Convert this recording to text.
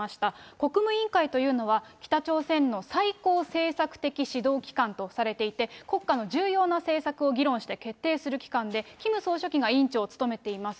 国務委員会というのは、北朝鮮の最高政策的指導機関とされていて、国家の重要な政策を議論して決定する機関で、キム総書記が委員長を務めています。